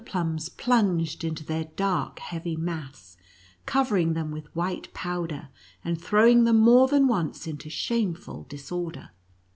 plums plunged into their dark, heavy mass, cov ering them with white powder, and throwing them more than once into shameful disorder.